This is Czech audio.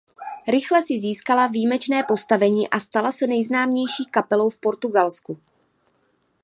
Rychle si získala výjimečné postavení a stala se nejznámější kapelou v Portugalsku.